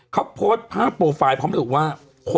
พอโพสต์ภาพโปรไฟล์พร้อมถึงว่า